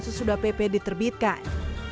sesudah pp diterbitkan